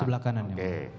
sebelah kanan yang mulia